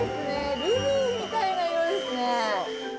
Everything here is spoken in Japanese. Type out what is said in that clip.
ルビーみたいな色ですね。